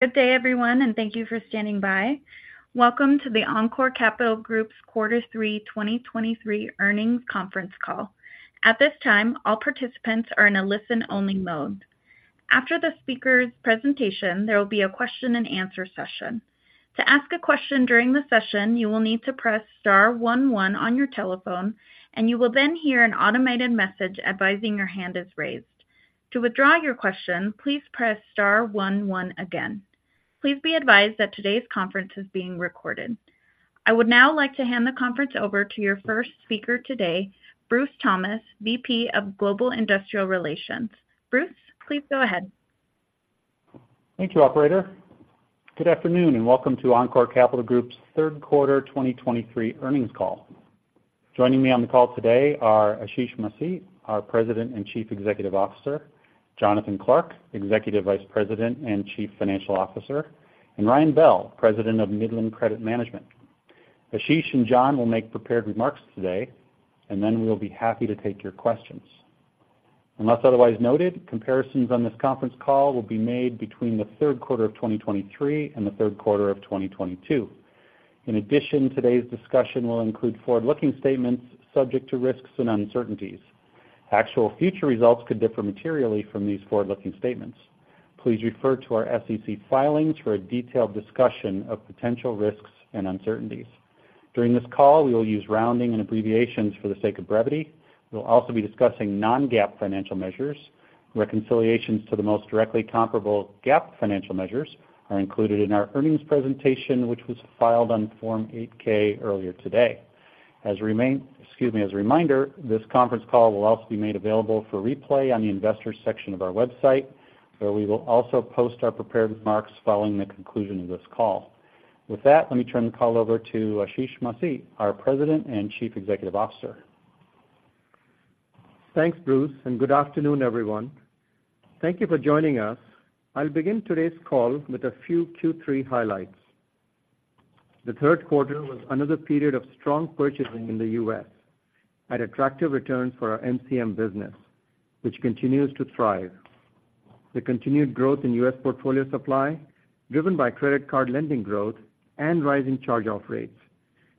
Good day, everyone, and thank you for standing by. Welcome to the Encore Capital Group's quarter three 2023 earnings conference call. At this time, all participants are in a listen-only mode. After the speaker's presentation, there will be a question-and-answer session. To ask a question during the session, you will need to press star one one on your telephone, and you will then hear an automated message advising your hand is raised. To withdraw your question, please press star one one again. Please be advised that today's conference is being recorded. I would now like to hand the conference over to your first speaker today, Bruce Thomas, VP of Global Investor Relations. Bruce, please go ahead. Thank you, operator. Good afternoon, and welcome to Encore Capital Group's third quarter 2023 earnings call. Joining me on the call today are Ashish Masih, our President and Chief Executive Officer; Jonathan Clark, Executive Vice President and Chief Financial Officer; and Ryan Bell, President of Midland Credit Management. Ashish and John will make prepared remarks today, and then we will be happy to take your questions. Unless otherwise noted, comparisons on this conference call will be made between the third quarter of 2023 and the third quarter of 2022. In addition, today's discussion will include forward-looking statements subject to risks and uncertainties. Actual future results could differ materially from these forward-looking statements. Please refer to our SEC filings for a detailed discussion of potential risks and uncertainties. During this call, we will use rounding and abbreviations for the sake of brevity. We'll also be discussing non-GAAP financial measures. Reconciliations to the most directly comparable GAAP financial measures are included in our earnings presentation, which was filed on Form 8-K earlier today. Excuse me, as a reminder, this conference call will also be made available for replay on the investors section of our website, where we will also post our prepared remarks following the conclusion of this call. With that, let me turn the call over to Ashish Masih, our President and Chief Executive Officer. Thanks, Bruce, and good afternoon, everyone. Thank you for joining us. I'll begin today's call with a few Q3 highlights. The third quarter was another period of strong purchasing in the U.S. at attractive returns for our MCM business, which continues to thrive. The continued growth in U.S. portfolio supply, driven by credit card lending growth and rising charge-off rates,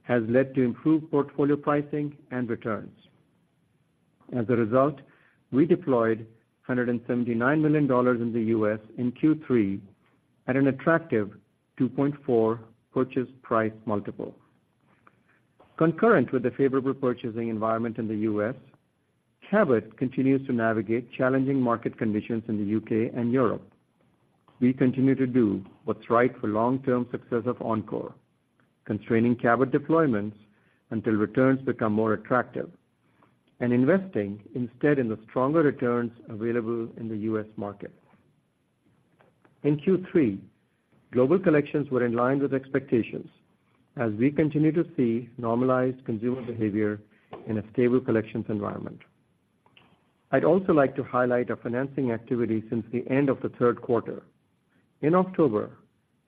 has led to improved portfolio pricing and returns. As a result, we deployed $179 million in the U.S. in Q3 at an attractive 2.4 purchase price multiple. Concurrent with the favorable purchasing environment in the U.S., Cabot continues to navigate challenging market conditions in the U.K. and Europe. We continue to do what's right for long-term success of Encore, constraining Cabot deployments until returns become more attractive and investing instead in the stronger returns available in the U.S. market. In Q3, global collections were in line with expectations as we continue to see normalized consumer behavior in a stable collections environment. I'd also like to highlight our financing activity since the end of the third quarter. In October,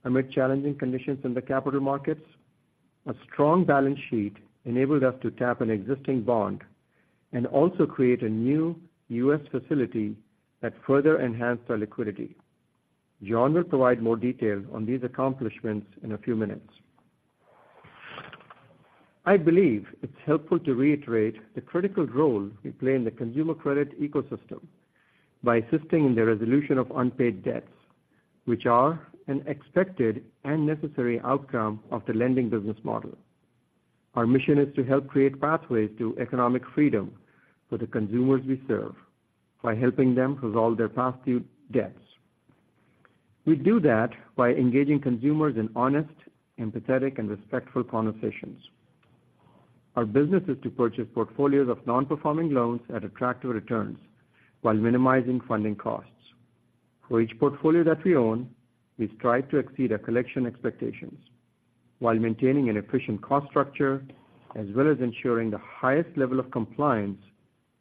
amid challenging conditions in the capital markets, a strong balance sheet enabled us to tap an existing bond and also create a new U.S. facility that further enhanced our liquidity. John will provide more details on these accomplishments in a few minutes. I believe it's helpful to reiterate the critical role we play in the consumer credit ecosystem by assisting in the resolution of unpaid debts, which are an expected and necessary outcome of the lending business model. Our mission is to help create pathways to economic freedom for the consumers we serve by helping them resolve their past due debts. We do that by engaging consumers in honest, empathetic, and respectful conversations. Our business is to purchase portfolios of non-performing loans at attractive returns while minimizing funding costs. For each portfolio that we own, we strive to exceed our collection expectations while maintaining an efficient cost structure, as well as ensuring the highest level of compliance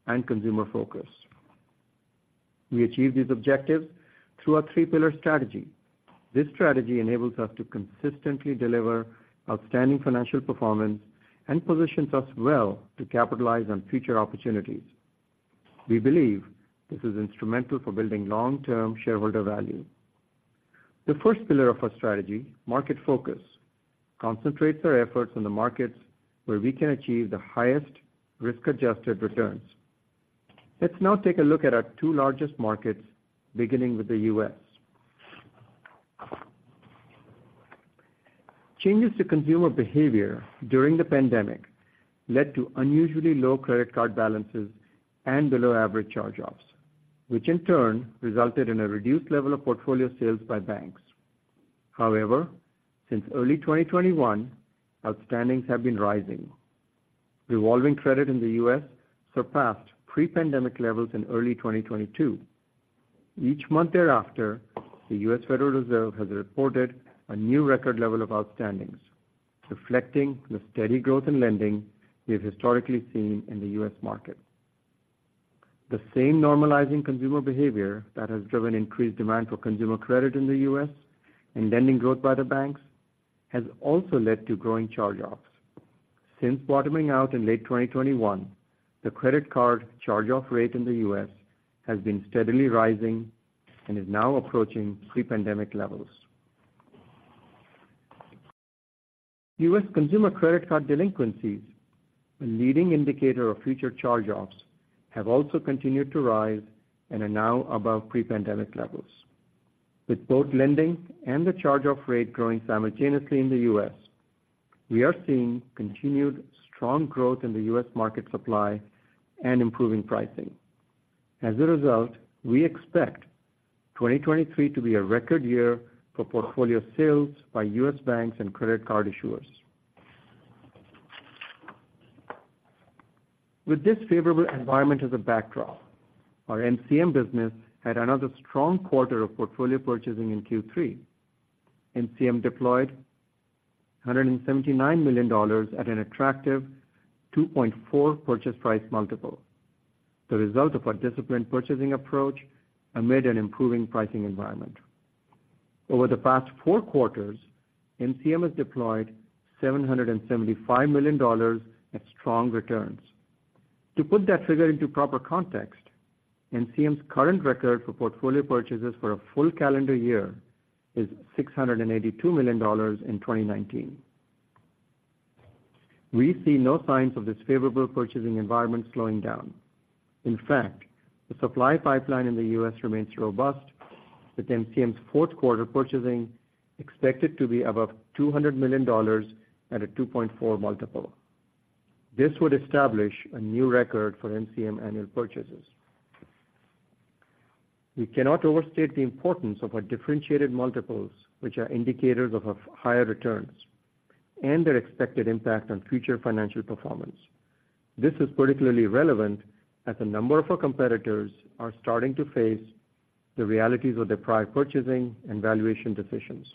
and consumer focus. We achieve these objectives through our three pillar strategy. This strategy enables us to consistently deliver outstanding financial performance and positions us well to capitalize on future opportunities. We believe this is instrumental for building long-term shareholder value. The first pillar of our strategy, market focus, concentrates our efforts on the markets where we can achieve the highest risk-adjusted returns. Let's now take a look at our two largest markets, beginning with the U.S. Changes to consumer behavior during the pandemic led to unusually low credit card balances and below-average charge-offs, which in turn resulted in a reduced level of portfolio sales by banks. However, since early 2021, outstandings have been rising. Revolving credit in the U.S. surpassed pre-pandemic levels in early 2022. Each month thereafter, the U.S. Federal Reserve has reported a new record level of outstandings, reflecting the steady growth in lending we have historically seen in the U.S. market. The same normalizing consumer behavior that has driven increased demand for consumer credit in the U.S. and lending growth by the banks has also led to growing charge-offs. Since bottoming out in late 2021, the credit card charge-off rate in the U.S. has been steadily rising and is now approaching pre-pandemic levels. U.S. consumer credit card delinquencies, a leading indicator of future charge-offs, have also continued to rise and are now above pre-pandemic levels. With both lending and the charge-off rate growing simultaneously in the U.S., we are seeing continued strong growth in the U.S. market supply and improving pricing. As a result, we expect 2023 to be a record year for portfolio sales by U.S. banks and credit card issuers. With this favorable environment as a backdrop, our MCM business had another strong quarter of portfolio purchasing in Q3. MCM deployed $179 million at an attractive 2.4 purchase price multiple, the result of our disciplined purchasing approach amid an improving pricing environment. Over the past four quarters, MCM has deployed $775 million at strong returns. To put that figure into proper context, MCM's current record for portfolio purchases for a full calendar year is $682 million in 2019. We see no signs of this favorable purchasing environment slowing down. In fact, the supply pipeline in the U.S. remains robust, with MCM's fourth quarter purchasing expected to be above $200 million at a 2.4 multiple. This would establish a new record for MCM annual purchases. We cannot overstate the importance of our differentiated multiples, which are indicators of higher returns and their expected impact on future financial performance. This is particularly relevant as a number of our competitors are starting to face the realities of their prior purchasing and valuation decisions.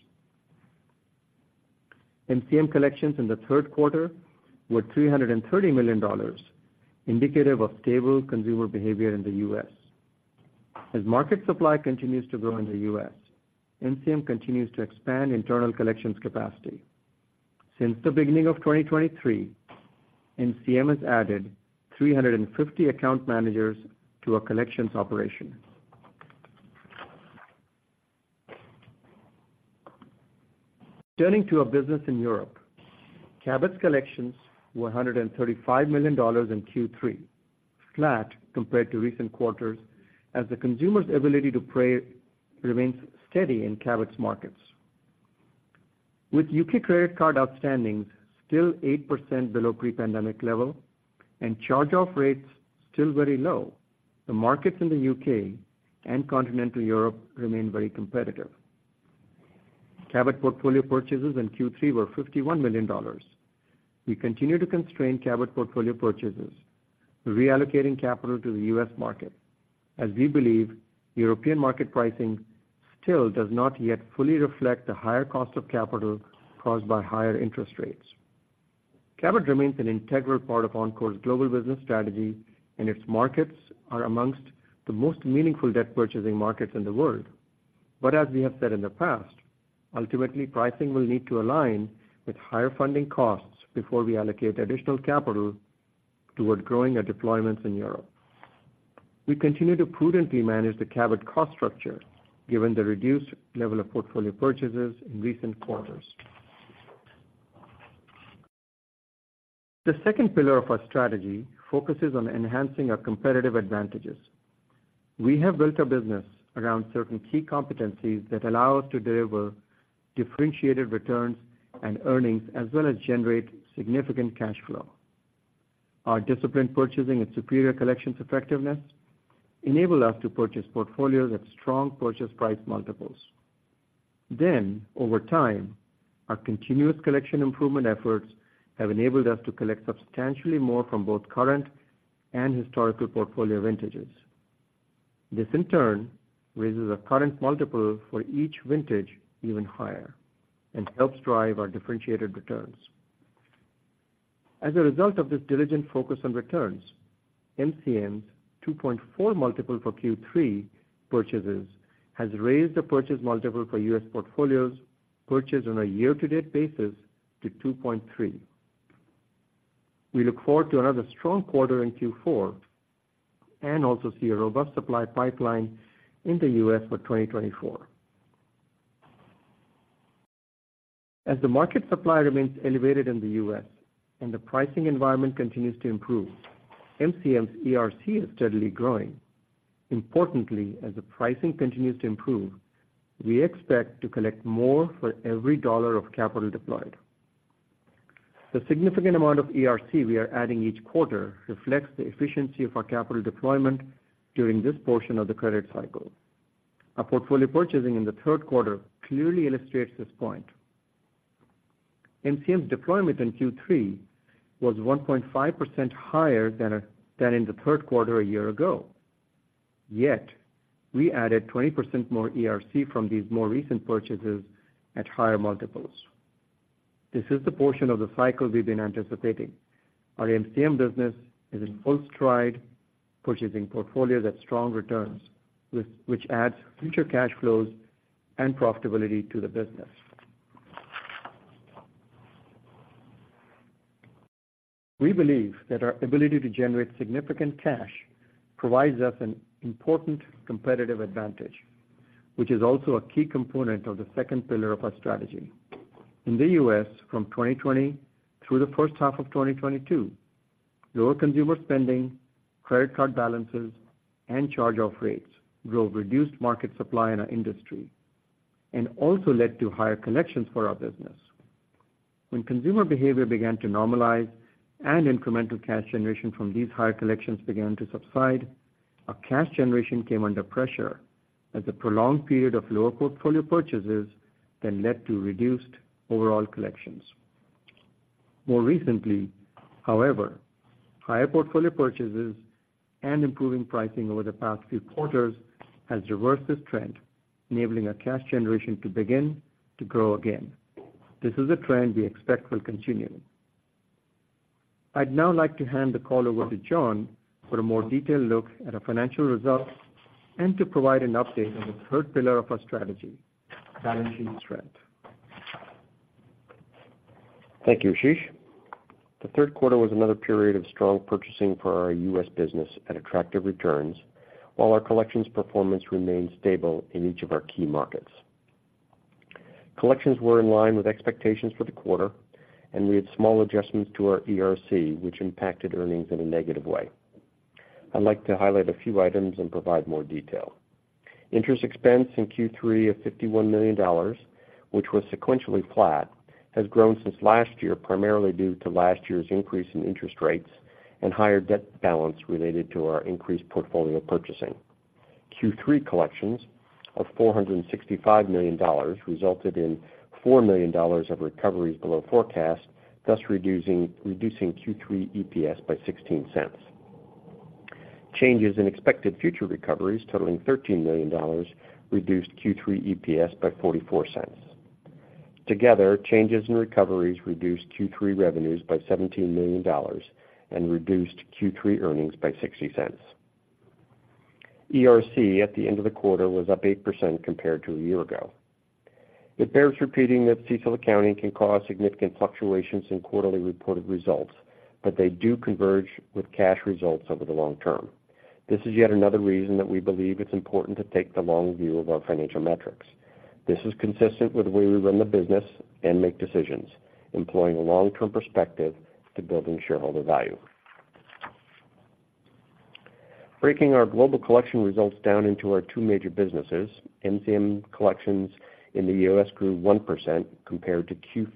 MCM collections in the third quarter were $330 million, indicative of stable consumer behavior in the U.S. As market supply continues to grow in the U.S., MCM continues to expand internal collections capacity. Since the beginning of 2023, MCM has added 350 account managers to our collections operation. Turning to our business in Europe, Cabot's collections were $135 million in Q3, flat compared to recent quarters, as the consumer's ability to pay remains steady in Cabot's markets. With U.K. credit card outstandings still 8% below pre-pandemic level and charge-off rates still very low, the markets in the U.K. and continental Europe remain very competitive. Cabot portfolio purchases in Q3 were $51 million. We continue to constrain Cabot portfolio purchases, reallocating capital to the U.S. market, as we believe European market pricing still does not yet fully reflect the higher cost of capital caused by higher interest rates. Cabot remains an integral part of Encore's global business strategy, and its markets are among the most meaningful debt purchasing markets in the world. But as we have said in the past, ultimately, pricing will need to align with higher funding costs before we allocate additional capital toward growing our deployments in Europe. We continue to prudently manage the Cabot cost structure, given the reduced level of portfolio purchases in recent quarters. The second pillar of our strategy focuses on enhancing our competitive advantages. We have built our business around certain key competencies that allow us to deliver differentiated returns and earnings, as well as generate significant cash flow. Our disciplined purchasing and superior collections effectiveness enable us to purchase portfolios at strong purchase price multiples. Then, over time, our continuous collection improvement efforts have enabled us to collect substantially more from both current and historical portfolio vintages. This, in turn, raises our current multiple for each vintage even higher and helps drive our differentiated returns. As a result of this diligent focus on returns, MCM's 2.4 multiple for Q3 purchases has raised the purchase multiple for U.S. portfolios purchased on a year-to-date basis to 2.3. We look forward to another strong quarter in Q4 and also see a robust supply pipeline in the U.S. for 2024. As the market supply remains elevated in the U.S. and the pricing environment continues to improve, MCM's ERC is steadily growing. Importantly, as the pricing continues to improve, we expect to collect more for every dollar of capital deployed. The significant amount of ERC we are adding each quarter reflects the efficiency of our capital deployment during this portion of the credit cycle. Our portfolio purchasing in the third quarter clearly illustrates this point. MCM's deployment in Q3 was 1.5% higher than in the third quarter a year ago, yet we added 20% more ERC from these more recent purchases at higher multiples. This is the portion of the cycle we've been anticipating. Our MCM business is in full stride, purchasing portfolios at strong returns, which adds future cash flows and profitability to the business. We believe that our ability to generate significant cash provides us an important competitive advantage, which is also a key component of the second pillar of our strategy. In the U.S., from 2020 through the first half of 2022, lower consumer spending, credit card balances, and charge-off rates drove reduced market supply in our industry and also led to higher collections for our business. When consumer behavior began to normalize and incremental cash generation from these higher collections began to subside, our cash generation came under pressure as a prolonged period of lower portfolio purchases then led to reduced overall collections. More recently, however, higher portfolio purchases and improving pricing over the past few quarters has reversed this trend, enabling our cash generation to begin to grow again. This is a trend we expect will continue. I'd now like to hand the call over to John for a more detailed look at our financial results and to provide an update on the third pillar of our strategy, balancing strength. Thank you, Ashish. The third quarter was another period of strong purchasing for our U.S. business at attractive returns, while our collections performance remained stable in each of our key markets. Collections were in line with expectations for the quarter, and we had small adjustments to our ERC, which impacted earnings in a negative way. I'd like to highlight a few items and provide more detail. Interest expense in Q3 of $51 million, which was sequentially flat, has grown since last year, primarily due to last year's increase in interest rates and higher debt balance related to our increased portfolio purchasing. Q3 collections of $465 million resulted in $4 million of recoveries below forecast, thus reducing Q3 EPS by $0.16. Changes in expected future recoveries totaling $13 million reduced Q3 EPS by $0.44. Together, changes in recoveries reduced Q3 revenues by $17 million and reduced Q3 earnings by $0.60. ERC at the end of the quarter was up 8% compared to a year ago. It bears repeating that CECL accounting can cause significant fluctuations in quarterly reported results, but they do converge with cash results over the long term. This is yet another reason that we believe it's important to take the long view of our financial metrics. This is consistent with the way we run the business and make decisions, employing a long-term perspective to building shareholder value. Breaking our global collection results down into our two major businesses, MCM collections in the U.S. grew 1% compared to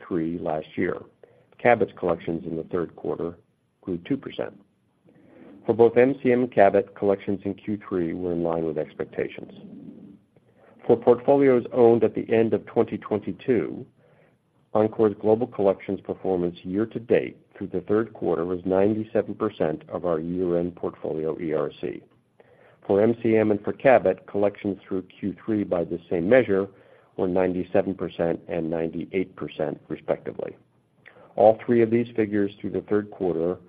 Q3 last year. Cabot's collections in the third quarter grew 2%. For both MCM and Cabot, collections in Q3 were in line with expectations. For portfolios owned at the end of 2022, Encore's global collections performance year to date through the third quarter was 97% of our year-end portfolio ERC. For MCM and for Cabot, collections through Q3 by the same measure were 97% and 98%, respectively. All three of these figures through the third quarter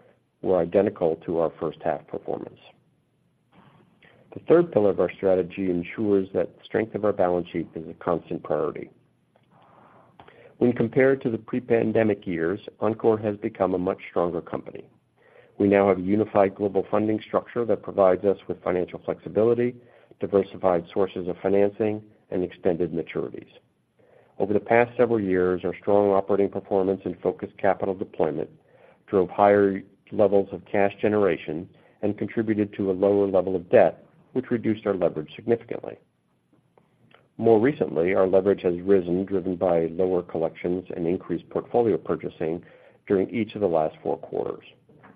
were identical to our first half performance. The third pillar of our strategy ensures that strength of our balance sheet is a constant priority. When compared to the pre-pandemic years, Encore has become a much stronger company. We now have a unified global funding structure that provides us with financial flexibility, diversified sources of financing, and extended maturities. Over the past several years, our strong operating performance and focused capital deployment drove higher levels of cash generation and contributed to a lower level of debt, which reduced our leverage significantly. More recently, our leverage has risen, driven by lower collections and increased portfolio purchasing during each of the last four quarters.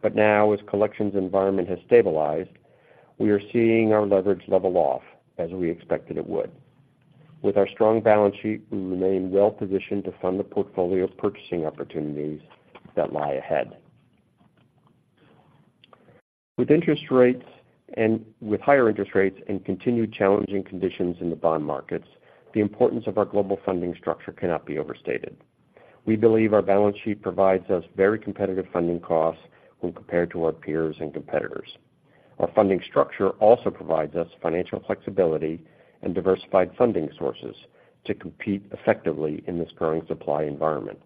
But now, as collections environment has stabilized, we are seeing our leverage level off, as we expected it would. With our strong balance sheet, we remain well positioned to fund the portfolio purchasing opportunities that lie ahead. With higher interest rates and continued challenging conditions in the bond markets, the importance of our global funding structure cannot be overstated. We believe our balance sheet provides us very competitive funding costs when compared to our peers and competitors. Our funding structure also provides us financial flexibility and diversified funding sources to compete effectively in this current supply environment.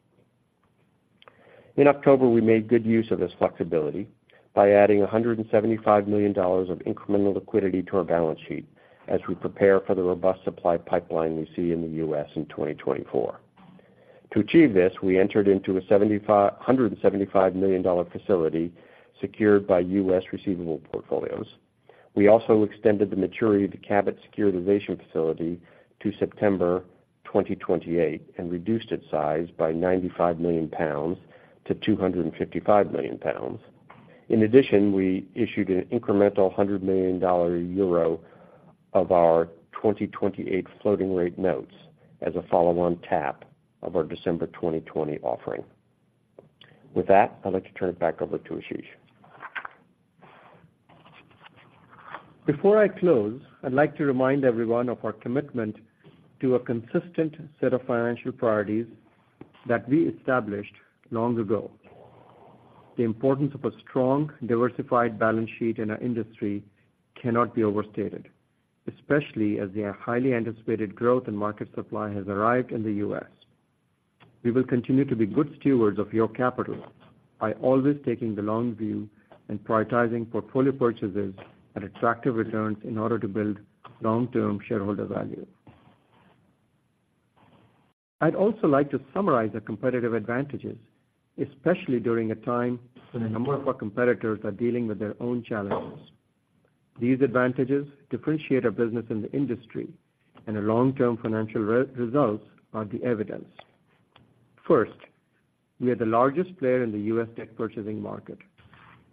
In October, we made good use of this flexibility by adding $175 million of incremental liquidity to our balance sheet as we prepare for the robust supply pipeline we see in the U.S. in 2024. To achieve this, we entered into a $175 million facility secured by U.S. receivable portfolios. We also extended the maturity of the Cabot securitization facility to September 2028 and reduced its size by 95 million-255 million pounds. In addition, we issued an incremental 100 million euro of our 2028 floating rate notes as a follow-on tap of our December 2020 offering. With that, I'd like to turn it back over to Ashish. Before I close, I'd like to remind everyone of our commitment to a consistent set of financial priorities that we established long ago. The importance of a strong, diversified balance sheet in our industry cannot be overstated, especially as the highly anticipated growth in market supply has arrived in the U.S. We will continue to be good stewards of your capital by always taking the long view and prioritizing portfolio purchases at attractive returns in order to build long-term shareholder value. I'd also like to summarize the competitive advantages, especially during a time when a number of our competitors are dealing with their own challenges. These advantages differentiate our business in the industry, and our long-term financial results are the evidence. First, we are the largest player in the U.S. debt purchasing market,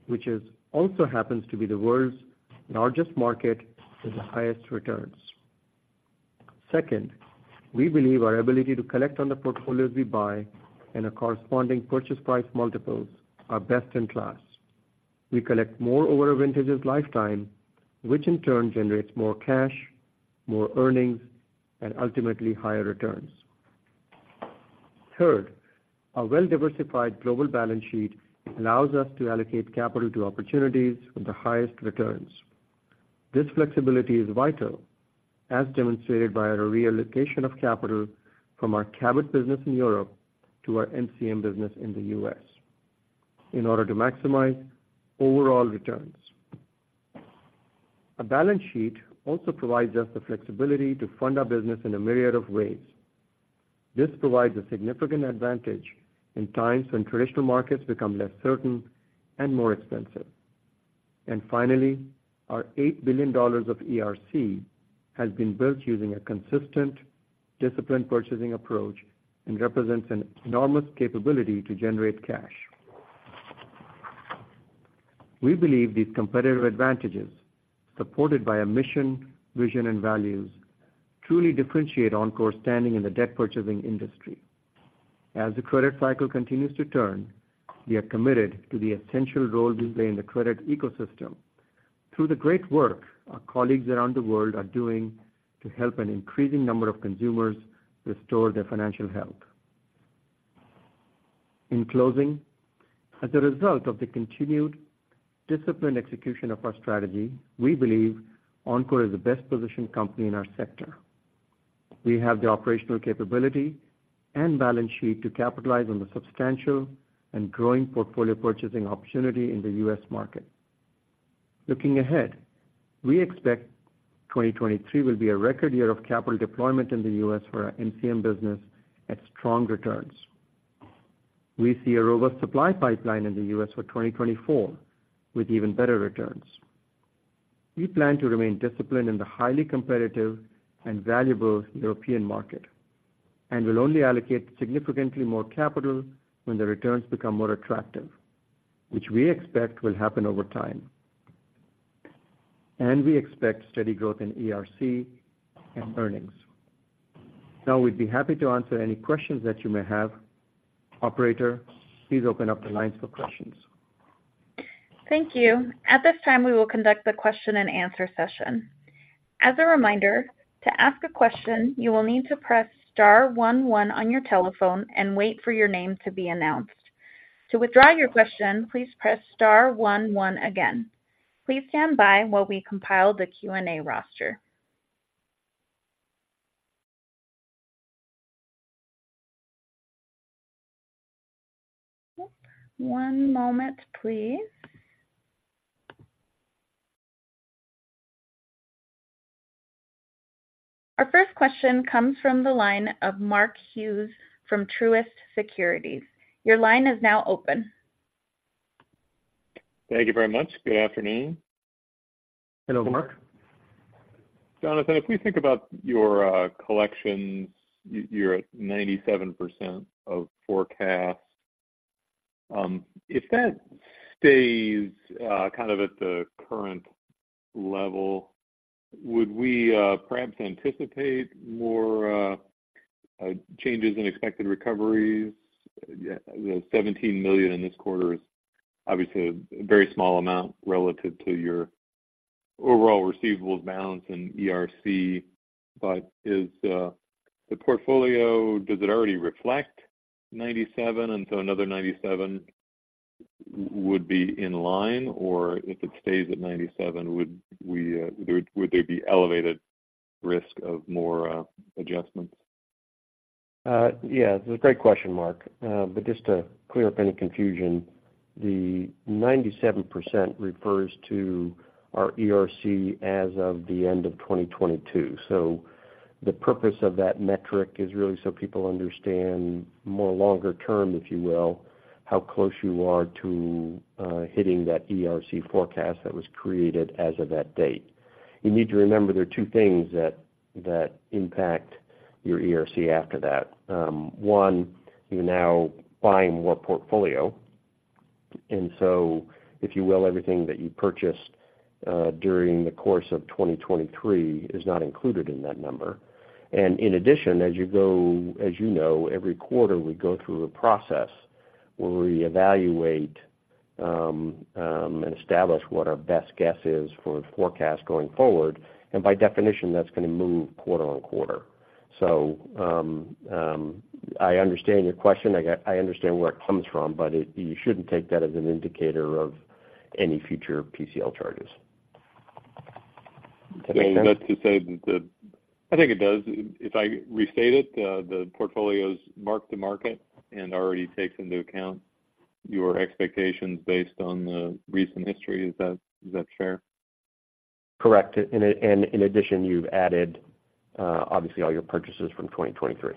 which also happens to be the world's largest market with the highest returns. Second, we believe our ability to collect on the portfolios we buy and the corresponding purchase price multiples are best in class. We collect more over a vintage's lifetime, which in turn generates more cash, more earnings, and ultimately higher returns. Third, our well-diversified global balance sheet allows us to allocate capital to opportunities with the highest returns. This flexibility is vital, as demonstrated by our reallocation of capital from our Cabot business in Europe to our MCM business in the U.S., in order to maximize overall returns. A balance sheet also provides us the flexibility to fund our business in a myriad of ways. This provides a significant advantage in times when traditional markets become less certain and more expensive. And finally, our $8 billion of ERC has been built using a consistent, disciplined purchasing approach and represents an enormous capability to generate cash. We believe these competitive advantages, supported by our mission, vision, and values, truly differentiate Encore's standing in the debt purchasing industry. As the credit cycle continues to turn, we are committed to the essential role we play in the credit ecosystem through the great work our colleagues around the world are doing to help an increasing number of consumers restore their financial health. In closing, as a result of the continued disciplined execution of our strategy, we believe Encore is the best-positioned company in our sector. We have the operational capability and balance sheet to capitalize on the substantial and growing portfolio purchasing opportunity in the U.S. market. Looking ahead, we expect 2023 will be a record year of capital deployment in the U.S. for our MCM business at strong returns. We see a robust supply pipeline in the U.S. for 2024, with even better returns. We plan to remain disciplined in the highly competitive and valuable European market and will only allocate significantly more capital when the returns become more attractive, which we expect will happen over time. And we expect steady growth in ERC and earnings. Now we'd be happy to answer any questions that you may have. Operator, please open up the lines for questions. Thank you. At this time, we will conduct the question-and-answer session. As a reminder, to ask a question, you will need to press star one one on your telephone and wait for your name to be announced. To withdraw your question, please press star one one again. Please stand by while we compile the Q&A roster. One moment, please. Our first question comes from the line of Mark Hughes from Truist Securities. Your line is now open. Thank you very much. Good afternoon. Hello, Mark. Jonathan, if we think about your collections, you're at 97% of forecast. If that stays kind of at the current level, would we perhaps anticipate more changes in expected recoveries? Yeah, $17 million in this quarter is obviously a very small amount relative to your overall receivables balance in ERC. But is the portfolio, does it already reflect 97%, and so another 97% would be in line? Or if it stays at 97%, would there be elevated risk of more adjustments? Yeah, that's a great question, Mark. But just to clear up any confusion, the 97% refers to our ERC as of the end of 2022. So the purpose of that metric is really so people understand more longer term, if you will, how close you are to hitting that ERC forecast that was created as of that date. You need to remember there are two things that impact your ERC after that. One, you're now buying more portfolio, and so, if you will, everything that you purchased during the course of 2023 is not included in that number. In addition, as you know, every quarter, we go through a process where we evaluate and establish what our best guess is for the forecast going forward, and by definition, that's going to move quarter on quarter. So, I understand your question. I understand where it comes from, but it, you shouldn't take that as an indicator of any future PCL charges. Does that make sense? That's to say that the, I think it does. If I restate it, the portfolios mark-to-market and already takes into account your expectations based on the recent history. Is that fair? Correct. And in addition, you've added obviously all your purchases from 2023.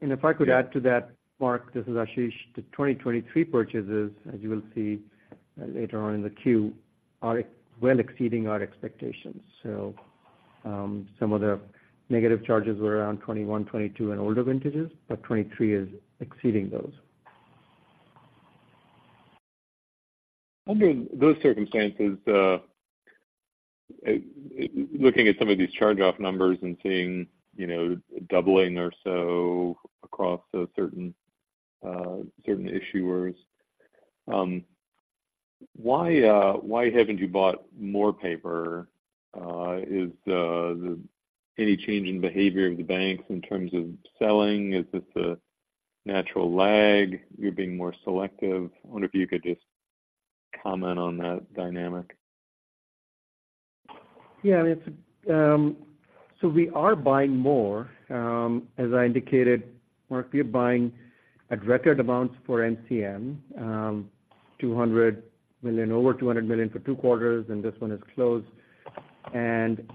If I could add to that, Mark, this is Ashish. The 2023 purchases, as you will see later on in the queue, are well exceeding our expectations. So, some of the negative charges were around 21, 22 and older vintages, but 2023 is exceeding those. Under those circumstances, looking at some of these charge-off numbers and seeing, you know, doubling or so across certain issuers, why haven't you bought more paper? Is any change in behavior of the banks in terms of selling? Is this a natural lag? You're being more selective. I wonder if you could just comment on that dynamic. Yeah, it's. So we are buying more. As I indicated, Mark, we are buying at record amounts for MCM, $200 million, over $200 million for two quarters, and this one is closed. And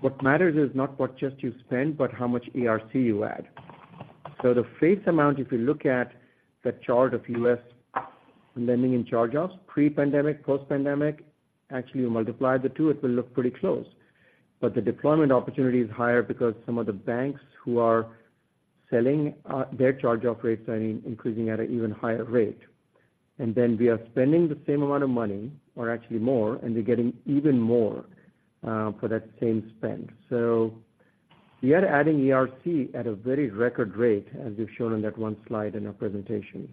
what matters is not what just you spend, but how much ERC you add. So the face amount, if you look at the chart of U.S. lending and charge-offs, pre-pandemic, post-pandemic, actually, you multiply the two, it will look pretty close. But the deployment opportunity is higher because some of the banks who are selling, their charge-off rates are increasing at an even higher rate. And then we are spending the same amount of money, or actually more, and we're getting even more, for that same spend. So we are adding ERC at a very record rate, as we've shown on that one slide in our presentation.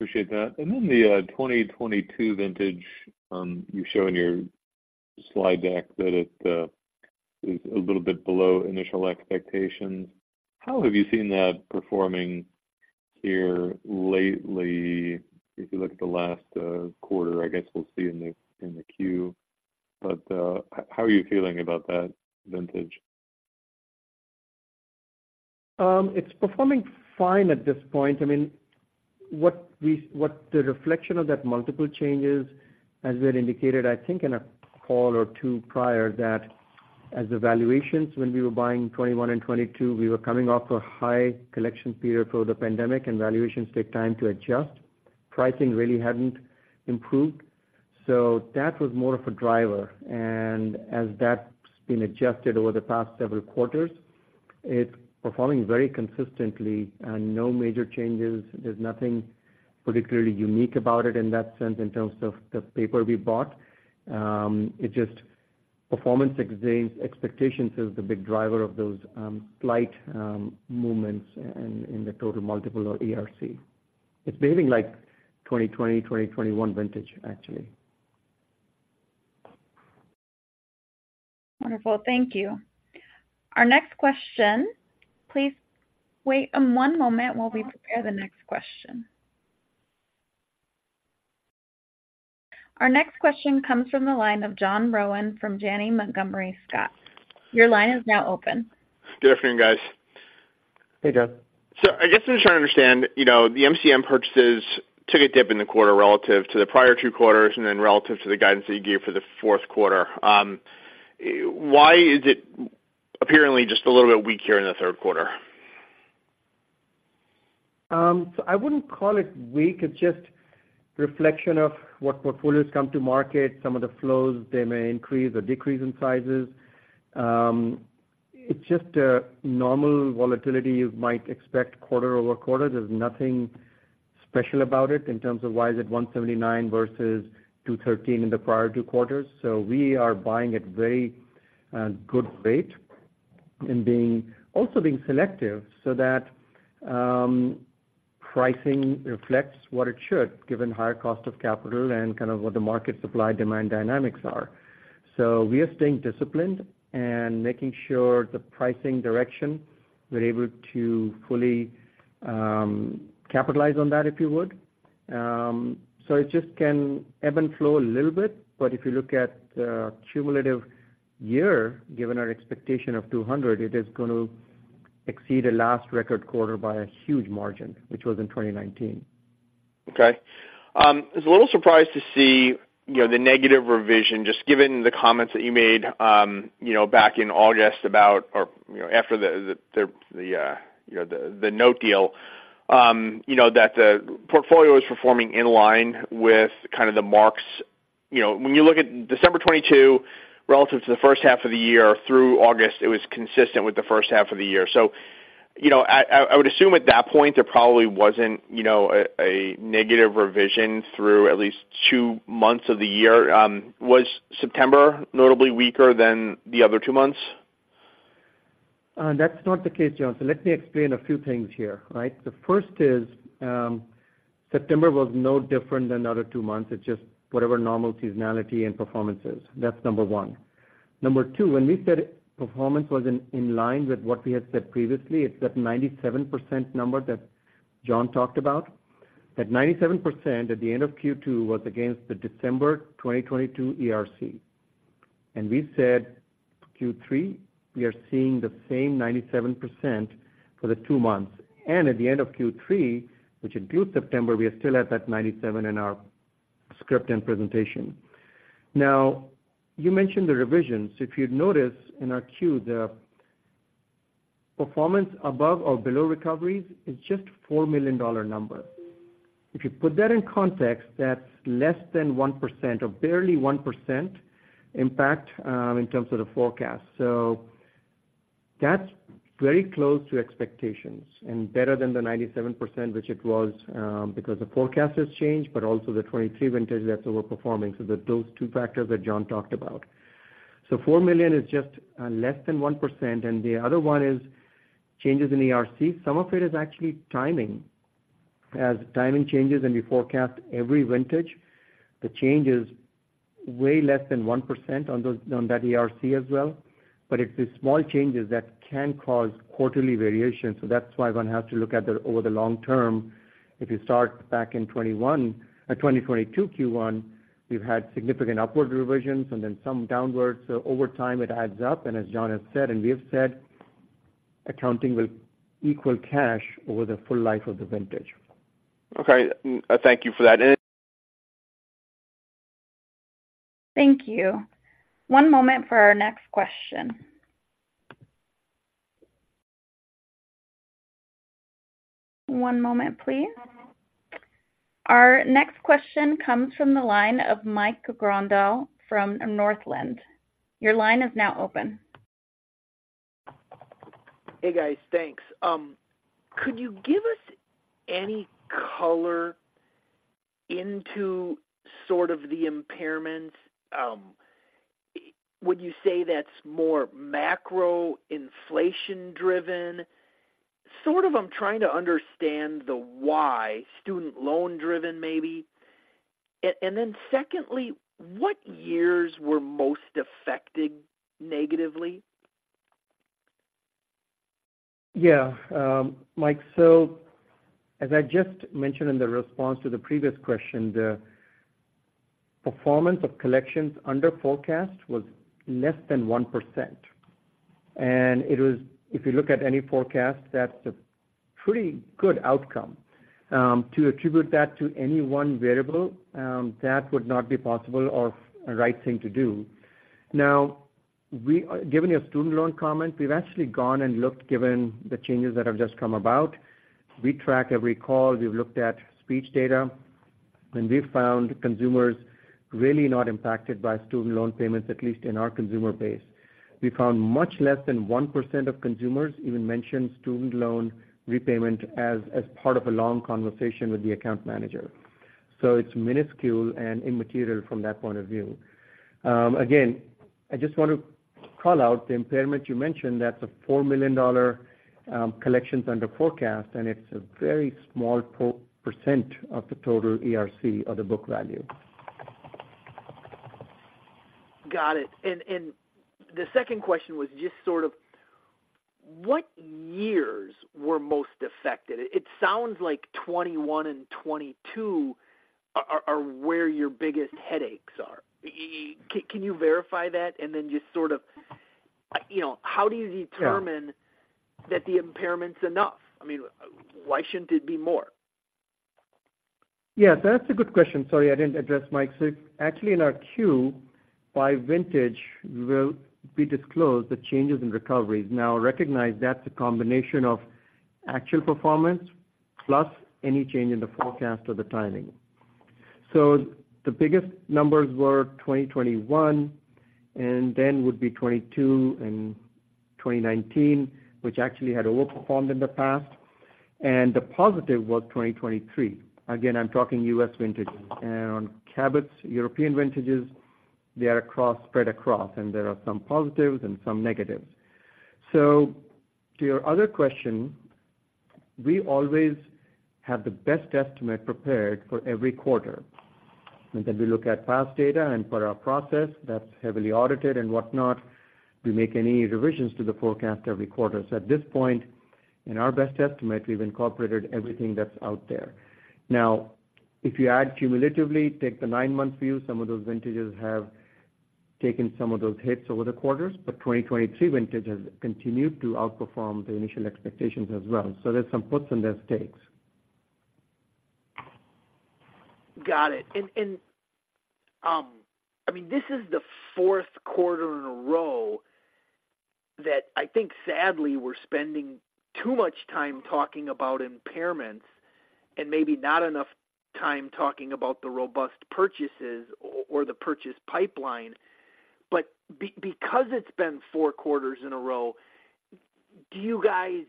Appreciate that. And then the 2022 vintage, you show in your slide deck that it is a little bit below initial expectations. How have you seen that performing here lately? If you look at the last quarter, I guess we'll see in the Q. But how are you feeling about that vintage? It's performing fine at this point. I mean, what the reflection of that multiple changes, as we had indicated, I think in a call or two prior, that as the valuations, when we were buying 2021 and 2022, we were coming off a high collection period for the pandemic, and valuations take time to adjust. Pricing really hadn't improved, so that was more of a driver. And as that's been adjusted over the past several quarters, it's performing very consistently and no major changes. There's nothing particularly unique about it in that sense, in terms of the paper we bought. It's just performance expectations is the big driver of those slight movements in the total multiple or ERC. It's behaving like 2020, 2021 vintage, actually. Wonderful. Thank you. Our next question, please wait, one moment while we prepare the next question. Our next question comes from the line of John Rowan from Janney Montgomery Scott. Your line is now open. Good afternoon, guys. Hey, John. I guess I'm just trying to understand, you know, the MCM purchases took a dip in the quarter relative to the prior two quarters, and then relative to the guidance that you gave for the fourth quarter. Why is it apparently just a little bit weak here in the third quarter? So I wouldn't call it weak. It's just reflection of what portfolios come to market. Some of the flows, they may increase or decrease in sizes. It's just a normal volatility you might expect quarter over quarter. There's nothing special about it in terms of why is it $179 versus $213 in the prior two quarters. So we are buying at very good rate and also being selective so that pricing reflects what it should, given higher cost of capital and kind of what the market supply-demand dynamics are. So we are staying disciplined and making sure the pricing direction, we're able to fully capitalize on that, if you would. So it just can ebb and flow a little bit. But if you look at the cumulative year, given our expectation of 200, it is going to exceed the last record quarter by a huge margin, which was in 2019. Okay. I was a little surprised to see, you know, the negative revision, just given the comments that you made, you know, back in August about, or you know, after the note deal. You know, that the portfolio is performing in line with kind of the marks. You know, when you look at December 2022 relative to the first half of the year through August, it was consistent with the first half of the year. So, you know, I would assume at that point there probably wasn't, you know, a negative revision through at least two months of the year. Was September notably weaker than the other two months?... That's not the case, John. So let me explain a few things here, right? The first is, September was no different than the other two months. It's just whatever normal seasonality and performances. That's number one. Number two, when we said performance was in line with what we had said previously, it's that 97% number that John talked about. That 97% at the end of Q2 was against the December 2022 ERC. And we said Q3, we are seeing the same 97% for the two months. And at the end of Q3, which includes September, we are still at that 97% in our script and presentation. Now, you mentioned the revisions. If you'd notice in our Q, the performance above or below recoveries is just $4 million number. If you put that in context, that's less than 1% or barely 1% impact in terms of the forecast. So that's very close to expectations and better than the 97%, which it was, because the forecast has changed, but also the 2023 vintage that's overperforming. So those two factors that John talked about. So $4 million is just less than 1%, and the other one is changes in ERC. Some of it is actually timing. As timing changes and we forecast every vintage, the change is way less than 1% on that ERC as well. But it's the small changes that can cause quarterly variation, so that's why one has to look at it over the long term. If you start back in 2021, 2022 Q1, we've had significant upward revisions and then some downwards. Over time, it adds up. As John has said, and we have said, accounting will equal cash over the full life of the vintage. Okay, thank you for that. Thank you. One moment for our next question. One moment, please. Our next question comes from the line of Mike Grondahl from Northland. Your line is now open. Hey, guys, thanks. Could you give us any color into sort of the impairments? Would you say that's more macro inflation-driven? Sort of, I'm trying to understand the why. Student loan-driven, maybe. And then secondly, what years were most affected negatively? Yeah, Mike. So as I just mentioned in the response to the previous question, the performance of collections under forecast was less than 1%. And it was, if you look at any forecast, that's a pretty good outcome. To attribute that to any one variable, that would not be possible or a right thing to do. Now, given your student loan comment, we've actually gone and looked, given the changes that have just come about. We track every call. We've looked at speech data, and we found consumers really not impacted by student loan payments, at least in our consumer base. We found much less than 1% of consumers even mention student loan repayment as, as part of a long conversation with the account manager. So it's minuscule and immaterial from that point of view. Again, I just want to call out the impairment you mentioned, that's a $4 million collections under forecast, and it's a very small percent of the total ERC of the book value. Got it. And the second question was just sort of what years were most affected? It sounds like 2021 and 2022 are where your biggest headaches are. Can you verify that? And then just sort of, you know, how do you determine-that the impairment's enough? I mean, why shouldn't it be more? Yes, that's a good question. Sorry, I didn't address Mike. So actually, in our Q, by vintage, we disclose the changes in recoveries. Now, recognize that's a combination of actual performance plus any change in the forecast or the timing. So the biggest numbers were 2021, and then would be 2022 and 2019, which actually had overperformed in the past, and the positive was 2023. Again, I'm talking U.S. vintages. And on Cabot's European vintages, they are across, spread across, and there are some positives and some negatives. So to your other question, we always have the best estimate prepared for every quarter. And then we look at past data and per our process, that's heavily audited and whatnot, we make any revisions to the forecast every quarter. So at this point, in our best estimate, we've incorporated everything that's out there. Now, if you add cumulatively, take the nine-month view, some of those vintages have taken some of those hits over the quarters, but 2023 vintages continued to outperform the initial expectations as well. So there's some puts and there's takes. Got it. And, I mean, this is the fourth quarter in a row that I think, sadly, we're spending too much time talking about impairments and maybe not enough time talking about the robust purchases or the purchase pipeline. But because it's been four quarters in a row, do you guys,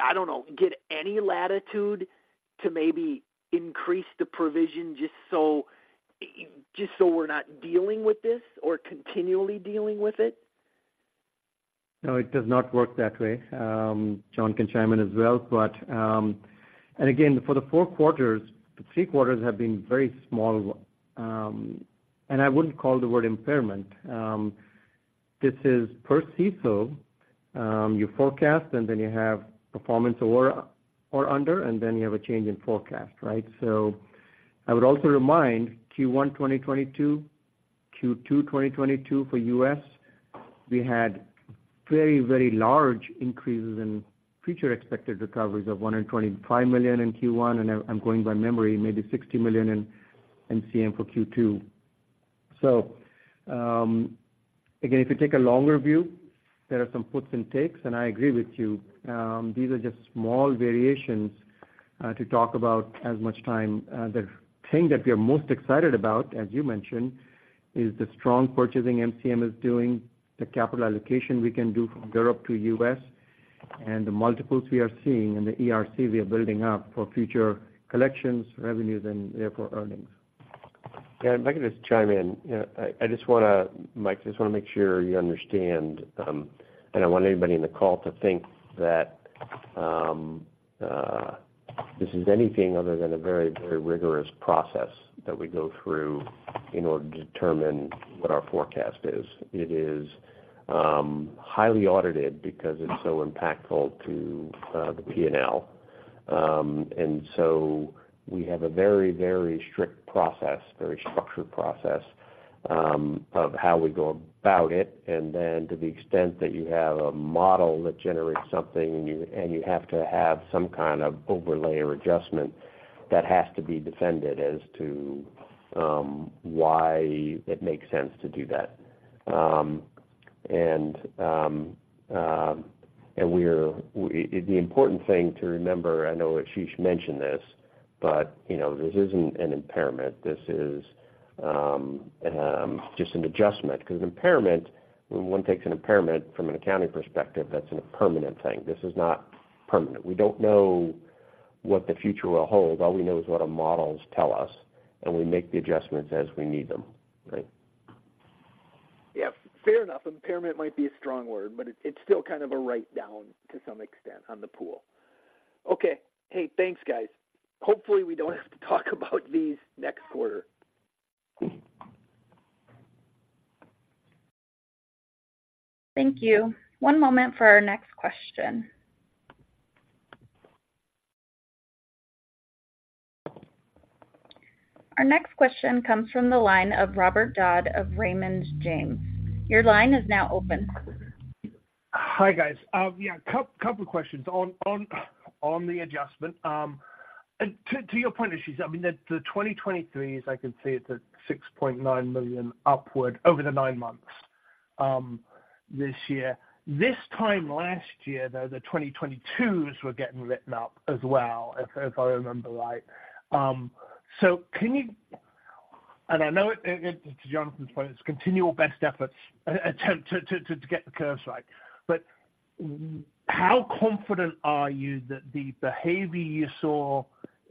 I don't know, get any latitude to maybe increase the provision just so, just so we're not dealing with this or continually dealing with it? No, it does not work that way. John can chime in as well. But and again, for the four quarters, the three quarters have been very small. And I wouldn't call the word impairment. This is per se, so you forecast, and then you have performance over or under, and then you have a change in forecast, right? I would also remind Q1 2022, Q2 2022 for U.S., we had very, very large increases in future expected recoveries of $125 million in Q1, and I'm going by memory, maybe $60 million in MCM for Q2. So again, if you take a longer view, there are some puts and takes, and I agree with you. These are just small variations to talk about as much time. The thing that we are most excited about, as you mentioned, is the strong purchasing MCM is doing, the capital allocation we can do from Europe to U.S., and the multiples we are seeing and the ERC we are building up for future collections, revenues, and therefore earnings. Yeah, if I could just chime in. You know, I just want to Mike, I just want to make sure you understand, and I want anybody in the call to think that this is anything other than a very, very rigorous process that we go through in order to determine what our forecast is. It is highly audited because it's so impactful to the P&L. And so we have a very, very strict process, very structured process, of how we go about it. And then to the extent that you have a model that generates something, and you have to have some kind of overlay or adjustment, that has to be defended as to why it makes sense to do that. The important thing to remember, I know Ashish mentioned this, but, you know, this isn't an impairment. This is just an adjustment. Because impairment, when one takes an impairment from an accounting perspective, that's a permanent thing. This is not permanent. We don't know what the future will hold. All we know is what our models tell us, and we make the adjustments as we need them. Right? Yeah, fair enough. Impairment might be a strong word, but it, it's still kind of a write down to some extent on the pool. Okay. Hey, thanks, guys. Hopefully, we don't have to talk about these next quarter. Thank you. One moment for our next question. Our next question comes from the line of Robert Dodd of Raymond James. Your line is now open. Hi, guys. Yeah, couple of questions on the adjustment. And to your point, Ashish, I mean, the 2023s, I can see it's at $6.9 million upward over the nine months this year. This time last year, though, the 2022s were getting written up as well, if I remember right. So can you, and I know it to Jonathan's point, it's continual best efforts attempt to get the curves right. But how confident are you that the behavior you saw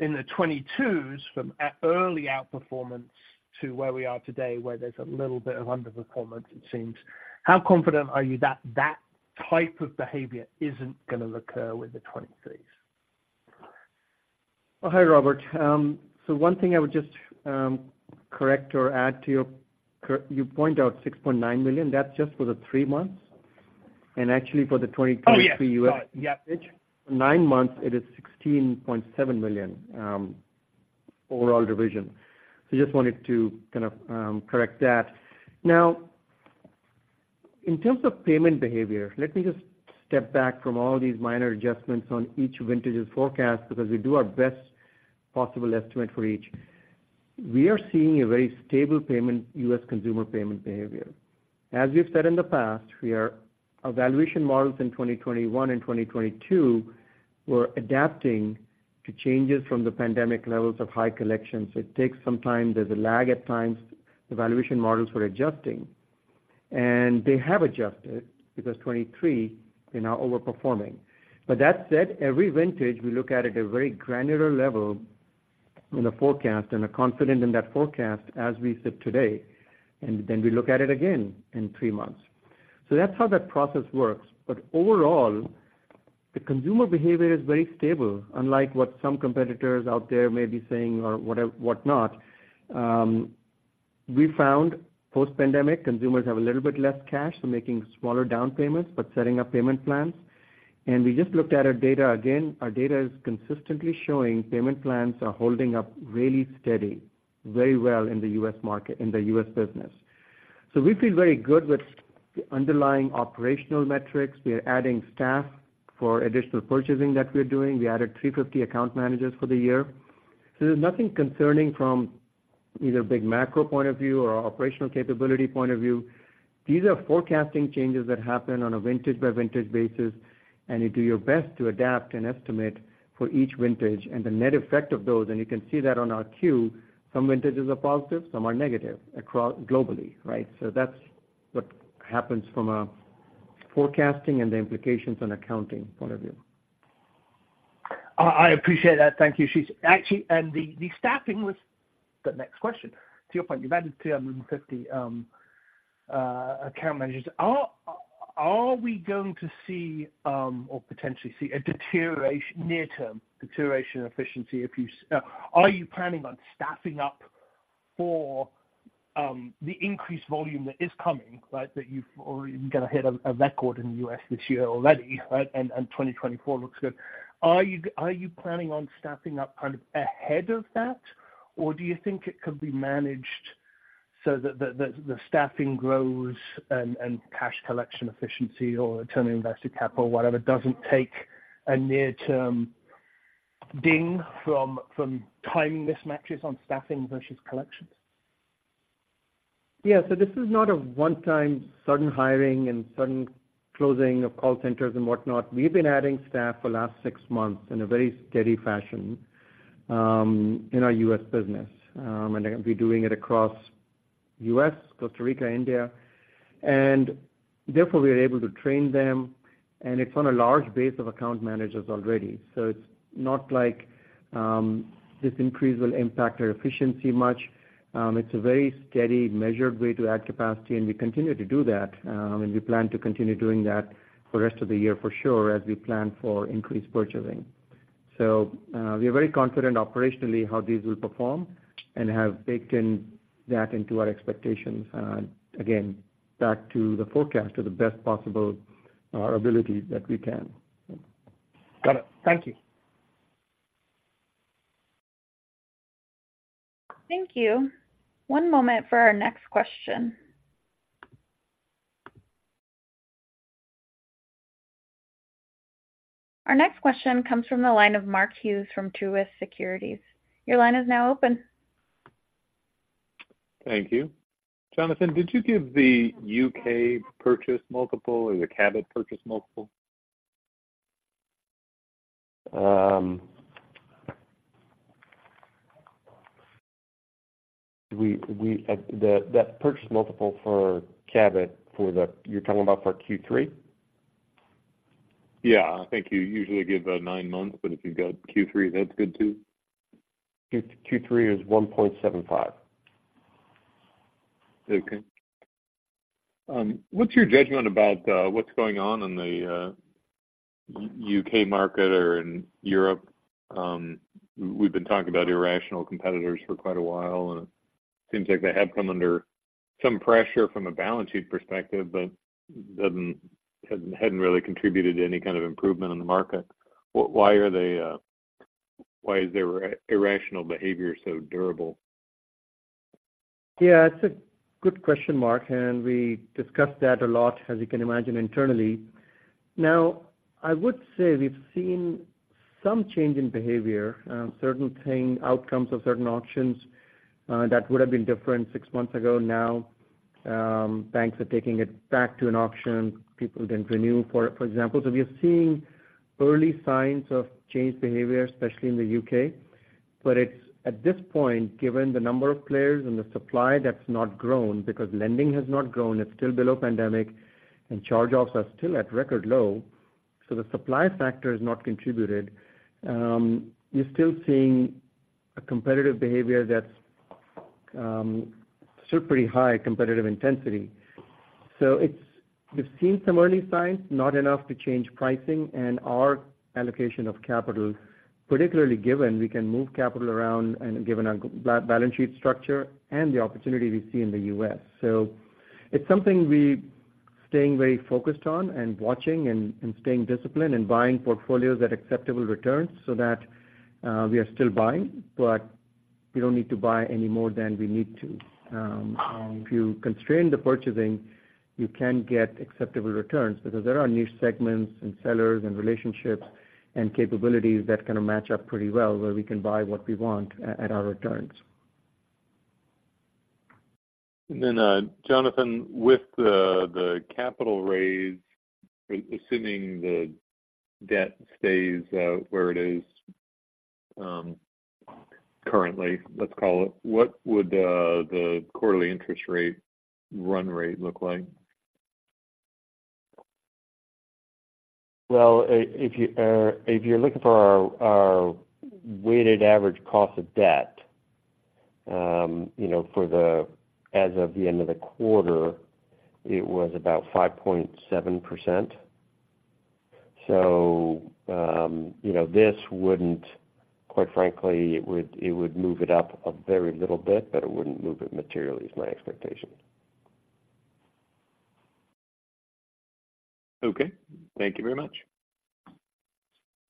in the 2022s from early outperformance to where we are today, where there's a little bit of underperformance, it seems. How confident are you that that type of behavior isn't gonna occur with the 2023s? Oh, hi, Robert. So one thing I would just correct or add to your comment, you point out $6.9 million. That's just for the three months. And actually, for the 2023- Oh, yeah. Nine months, it is $16.7 million overall division. So just wanted to kind of correct that. Now, in terms of payment behavior, let me just step back from all these minor adjustments on each vintage's forecast, because we do our best possible estimate for each. We are seeing a very stable payment, U.S. consumer payment behavior. As we've said in the past, we are, our valuation models in 2021 and 2022 were adapting to changes from the pandemic levels of high collections. It takes some time. There's a lag at times. The valuation models were adjusting, and they have adjusted because 2023, they're now overperforming. But that said, every vintage, we look at it a very granular level in the forecast and are confident in that forecast as we sit today, and then we look at it again in 3 months. So that's how that process works. But overall, the consumer behavior is very stable, unlike what some competitors out there may be saying or whatnot. We found post-pandemic, consumers have a little bit less cash, so making smaller down payments, but setting up payment plans. We just looked at our data again. Our data is consistently showing payment plans are holding up really steady, very well in the U.S. market, in the U.S. business. We feel very good with the underlying operational metrics. We are adding staff for additional purchasing that we're doing. We added 350 account managers for the year. There's nothing concerning from either big macro point of view or our operational capability point of view. These are forecasting changes that happen on a vintage by vintage basis, and you do your best to adapt and estimate for each vintage and the net effect of those. And you can see that on our Q, some vintages are positive, some are negative across globally, right? So that's what happens from a forecasting and the implications on accounting point of view. I appreciate that. Thank you, Ashish. Actually, the staffing was the next question. To your point, you've added 350 account managers. Are we going to see, or potentially see, a near-term deterioration in efficiency if you are planning on staffing up for the increased volume that is coming, right? That you've already going to hit a record in the U.S. this year already, right, and 2024 looks good. Are you planning on staffing up kind of ahead of that? Do you think it could be managed so that the staffing grows and cash collection efficiency or return on invested capital, whatever, doesn't take a near-term ding from timing mismatches on staffing versus collections? Yeah, so this is not a one-time sudden hiring and sudden closing of call centers and whatnot. We've been adding staff for the last six months in a very steady fashion, in our U.S. business. And we're doing it across U.S., Costa Rica, India, and therefore, we are able to train them, and it's on a large base of account managers already. So it's not like, this increase will impact our efficiency much. It's a very steady, measured way to add capacity, and we continue to do that. And we plan to continue doing that for the rest of the year, for sure, as we plan for increased purchasing. So, we are very confident operationally how these will perform and have baked in that into our expectations, again, back to the forecast, to the best possible, ability that we can. Got it. Thank you. Thank you. One moment for our next question. Our next question comes from the line of Mark Hughes from Truist Securities. Your line is now open. Thank you. Jonathan, did you give the U.K. purchase multiple or the Cabot purchase multiple? That purchase multiple for Cabot, you're talking about for Q3? Yeah. I think you usually give a nine-month, but if you've got Q3, that's good too. Q3 is 1.75. Okay. What's your judgment about what's going on in the U.K. market or in Europe? We've been talking about irrational competitors for quite a while, and it seems like they have come under some pressure from a balance sheet perspective, but doesn't, hasn't, hadn't really contributed to any kind of improvement in the market. Why are they, why is their irrational behavior so durable? Yeah, it's a good question, Mark, and we discussed that a lot, as you can imagine internally. Now, I would say we've seen some change in behavior, certain outcomes of certain auctions that would have been different six months ago. Now, banks are taking it back to an auction. People didn't renew, for example. So we are seeing early signs of changed behavior, especially in the U.K. But it's at this point, given the number of players and the supply, that's not grown because lending has not grown. It's still below pandemic, and charge-offs are still at record low, so the supply factor has not contributed. You're still seeing a competitive behavior that's still pretty high competitive intensity. So it's we've seen some early signs, not enough to change pricing and our allocation of capital, particularly given we can move capital around and given our balance sheet structure and the opportunity we see in the U.S. So it's something we staying very focused on and watching and staying disciplined and buying portfolios at acceptable returns so that we are still buying, but we don't need to buy any more than we need to. And if you constrain the purchasing, you can get acceptable returns because there are new segments and sellers and relationships and capabilities that kind of match up pretty well, where we can buy what we want at our returns. And then, Jonathan, with the capital raise, assuming the debt stays where it is currently, let's call it, what would the quarterly interest rate run rate look like? Well, if you're looking for our weighted average cost of debt, you know, for the, as of the end of the quarter, it was about 5.7%. So, you know, this wouldn't. Quite frankly, it would, it would move it up a very little bit, but it wouldn't move it materially, is my expectation. Okay. Thank you very much.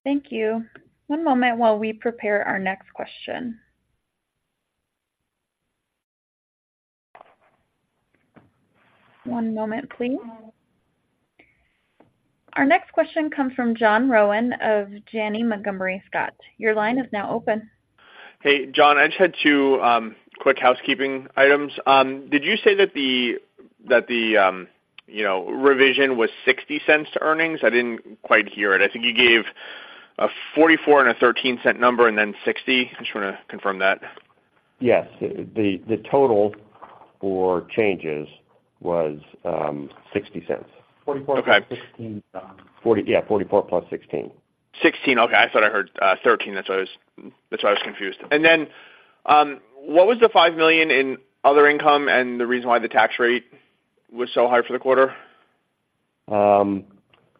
Thank you. One moment while we prepare our next question. One moment, please. Our next question comes from John Rowan of Janney Montgomery Scott. Your line is now open. Hey, John, I just had two quick housekeeping items. Did you say that the, that the you know, revision was $0.60 to earnings? I didn't quite hear it. I think you gave a $0.44 and a $0.13 number, and then $0.60. I just wanna confirm that. Yes, the total for changes was $0.60. 44 + 16. Yeah, 44 + 16. 16, okay. I thought I heard 13. That's why I was, that's why I was confused. And then, what was the $5 million in other income and the reason why the tax rate was so high for the quarter?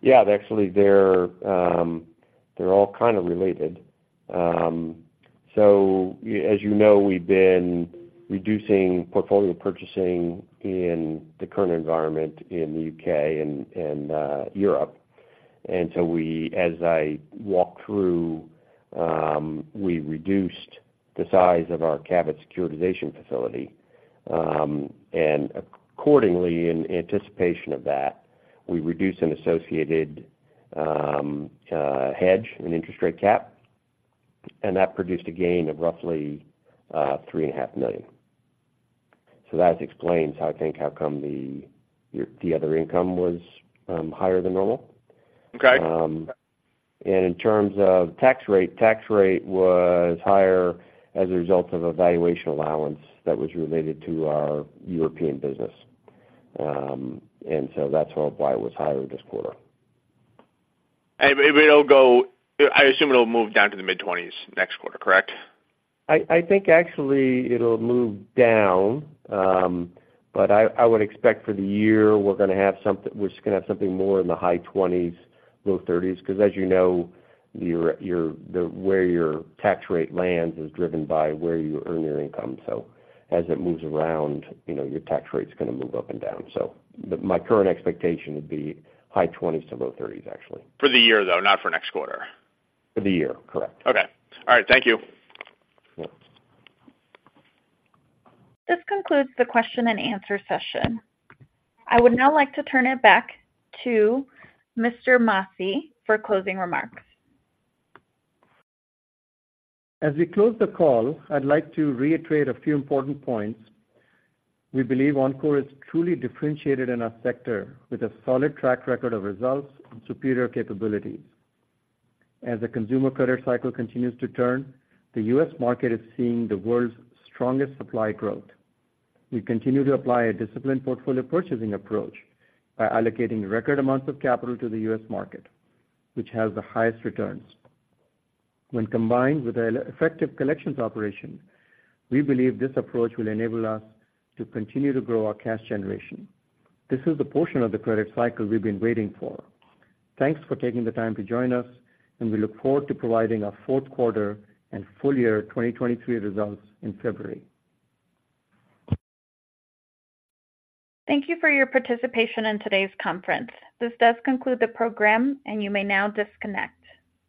Yeah, actually, they're all kind of related. So as you know, we've been reducing portfolio purchasing in the current environment in the U.K. and Europe. So we, as I walked through, reduced the size of our Cabot securitization facility. And accordingly, in anticipation of that, we reduced an associated hedge and interest rate cap, and that produced a gain of roughly $3.5 million. So that explains, I think, how come the other income was higher than normal. Okay. In terms of tax rate, tax rate was higher as a result of a valuation allowance that was related to our European business. So that's why it was higher this quarter. It'll go, I assume it'll move down to the mid-20s next quarter, correct? I think actually it'll move down. But I would expect for the year, we're just gonna have something more in the high 20s, low 30s%, because as you know, the where your tax rate lands is driven by where you earn your income. So as it moves around, you know, your tax rate's gonna move up and down. So my current expectation would be high 20s-low 30s%, actually. For the year, though, not for next quarter? For the year, correct. Okay. All right. Thank you. Yep. This concludes the question-and-answer session. I would now like to turn it back to Mr. Masih for closing remarks. As we close the call, I'd like to reiterate a few important points. We believe Encore is truly differentiated in our sector, with a solid track record of results and superior capabilities. As the consumer credit cycle continues to turn, the U.S. market is seeing the world's strongest supply growth. We continue to apply a disciplined portfolio purchasing approach by allocating record amounts of capital to the U.S. market, which has the highest returns. When combined with an effective collections operation, we believe this approach will enable us to continue to grow our cash generation. This is the portion of the credit cycle we've been waiting for. Thanks for taking the time to join us, and we look forward to providing our fourth quarter and full year 2023 results in February. Thank you for your participation in today's conference. This does conclude the program, and you may now disconnect.